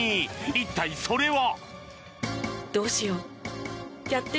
一体それは？